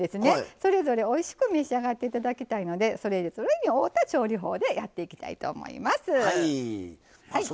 それぞれおいしく召し上がっていただきたいのでそれぞれに合うた調理法でやっていきたいと思います。